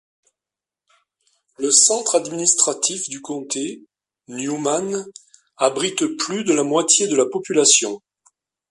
Le centre administratif du comté, Newman, abrite plus de la moitié de la population.